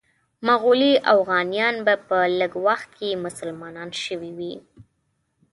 مغولي اوغانیان به په لږ وخت کې مسلمانان شوي وي.